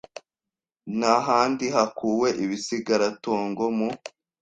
n ahandi hakuwe ibisigaratongo mu